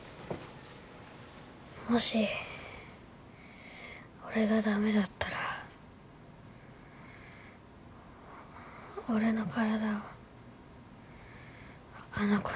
もし俺が駄目だったら俺の体をあの子にあげて。